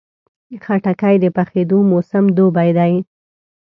خټکی د پخېدو موسم دوبی دی.